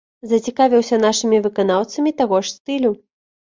Зацікавіўся нашымі выканаўцамі таго ж стылю.